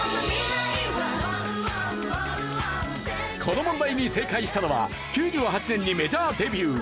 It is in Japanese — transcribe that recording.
この問題に正解したのは９８年にメジャーデビュー。